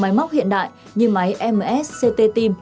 máy móc hiện đại như máy msct tim